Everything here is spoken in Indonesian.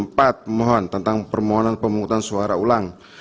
empat mohon tentang permohonan pemungutan suara ulang